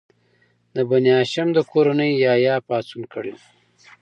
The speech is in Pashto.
د بني هاشم د کورنۍ یحیی پاڅون کړی و.